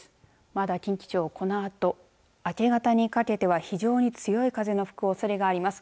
まだ、近畿地方このあと、明け方にかけては非常に強い吹く風がおそれがあります。